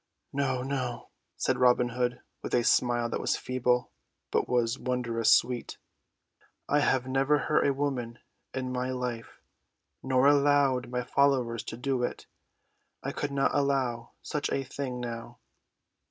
"No, no," said Robin Hood, with a smile that was feeble but was wondrous sweet. "I have never hurt a woman in my life nor allowed my followers to do it. I could not allow such a thing now."